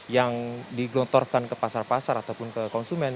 yang digelontorkan ke pasar pasar ataupun ke konsumen